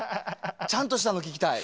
ちゃんとしたの聴きたい。